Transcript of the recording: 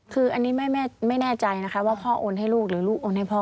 คืออันนี้ไม่แน่ใจนะคะว่าพ่อโอนให้ลูกหรือลูกโอนให้พ่อ